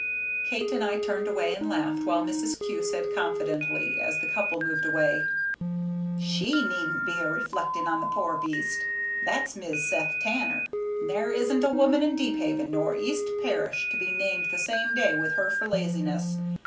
Kate and I turned away and laughed, while Mrs. Kew said confidentially, as the couple moved away, "She needn't be a reflectin' on the poor beast. That's Mis Seth Tanner, and there isn't a woman in Deephaven nor East Parish to be named the same day with her for laziness.